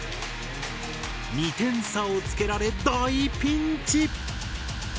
２点差をつけられ大ピンチ！